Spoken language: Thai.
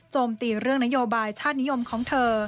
ตีเรื่องนโยบายชาตินิยมของเธอ